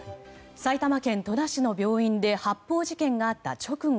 埼玉県戸田市の病院で発砲事件があった直後